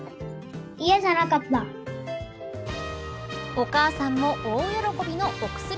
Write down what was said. お母さんも大喜びのおくすり